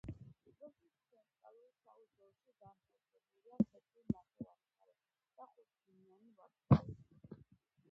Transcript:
დროშის ცენტრალურ შავ ზოლში განთავსებულია თეთრი ნახევარმთვარე და ხუთქიმიანი ვარსკვლავი.